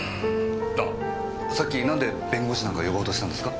あっさっきなんで弁護士なんか呼ぼうとしたんですか？